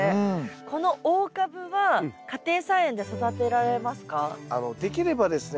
この大カブは家庭菜園で育てられますか？